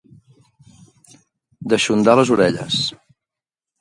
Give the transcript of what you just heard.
Deixondar les orelles.